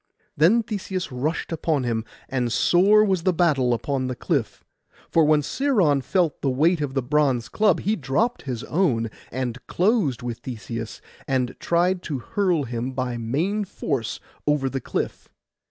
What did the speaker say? Then Theseus rushed upon him; and sore was the battle upon the cliff, for when Sciron felt the weight of the bronze club, he dropt his own, and closed with Theseus, and tried to hurl him by main force over the cliff.